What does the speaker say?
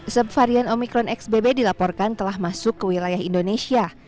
sebuah varian omicron xbb dilaporkan telah masuk ke wilayah indonesia